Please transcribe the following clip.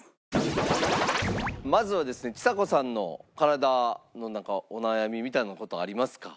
まずはですねちさ子さんの体のなんかお悩みみたいな事ありますか？